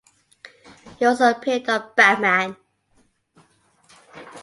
He also appeared on "Batman".